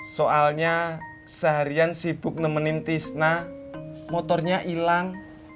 soalnya seharian sibuk nemenin tisna motornya hilang